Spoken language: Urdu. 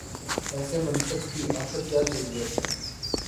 ایسے منصب کی آخر کیا ضرورت ہے؟